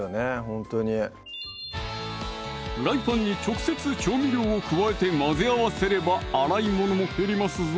ほんとにフライパンに直接調味料を加えて混ぜ合わせれば洗い物も減りますぞ